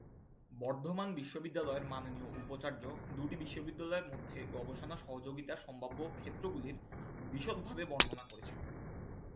বর্ধমান বিশ্ববিদ্যালয়ের মাননীয় উপাচার্য দু'টি বিশ্ববিদ্যালয়ের মধ্যে গবেষণা সহযোগিতার সম্ভাব্য ক্ষেত্রগুলি বিশদভাবে বর্ণনা করেছেন।